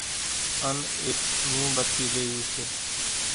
ان ايڪ ميڻ ٻتي ليوي سي،